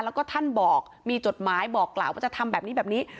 แล้วก็ท่านบอกมีจดหมายบอกกล่าวว่าจะทำแบบนี้แบบนี้